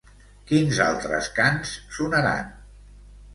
Quins altres cants sonaran?